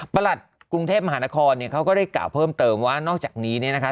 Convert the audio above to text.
ประหลัดกรุงเทพมหานครเขาก็ได้กล่าวเพิ่มเติมว่านอกจากนี้นะคะ